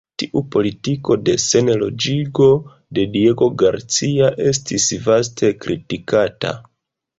Tiu politiko de Senloĝigo de Diego Garcia estis vaste kritikata.